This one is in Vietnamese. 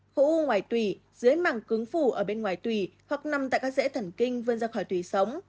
khối u ngoài tùy dưới màng cứng phủ ở bên ngoài tùy hoặc nằm tại các dễ thần kinh vươn ra khỏi tùy sống